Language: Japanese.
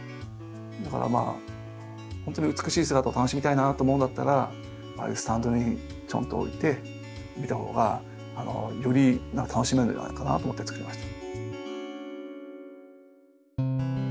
だから本当に美しい姿を楽しみたいなと思うんだったらああいうスタンドにちょんと置いて見たほうがより楽しめるんじゃないかなと思ってつくりました。